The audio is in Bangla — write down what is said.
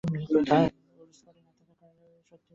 ওর স্কোয়াডে না থাকার কারণটি বাইরে থেকে সত্যিই বোঝার উপায় নেই।